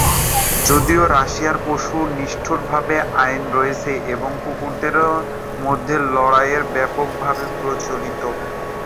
যদিও রাশিয়ায় পশু নিষ্ঠুরতার আইন রয়েছে, তবুও কুকুরদের মধ্যে লড়াই ব্যাপকভাবে প্রচলিত।